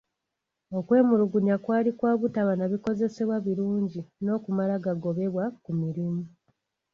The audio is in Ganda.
Okwemulugunya kwali kwa butaba na bikozesebwa birungi n'okumala gagobebwa ku mirimu.